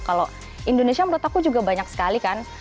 kalau indonesia menurut aku juga banyak sekali kan